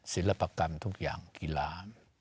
ศิลปกรรมทุกอย่างกีฬา